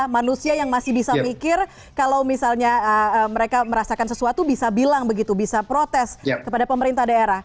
manusia yang masih bisa mikir kalau misalnya mereka merasakan sesuatu bisa bilang begitu bisa protes kepada pemerintah daerah